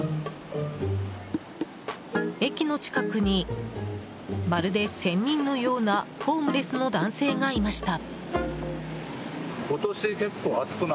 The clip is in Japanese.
駅の近くに、まるで仙人のようなホームレスの男性がいました。